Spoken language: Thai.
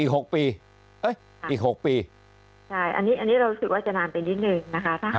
อีก๖ปีใช่อันนี้อันนี้เรารู้สึกว่าจะนานไปนิดนึงนะคะ